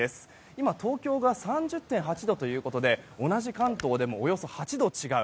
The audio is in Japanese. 今、東京が３０．８度ということで同じ関東でもおよそ８度違う。